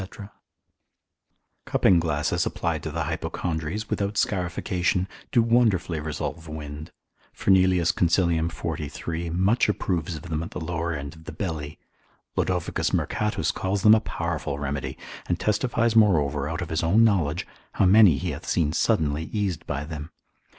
Cupping glasses applied to the hypochondries, without scarification, do wonderfully resolve wind. Fernelius consil. 43. much approves of them at the lower end of the belly; Lod. Mercatus calls them a powerful remedy, and testifies moreover out of his own knowledge, how many he hath seen suddenly eased by them.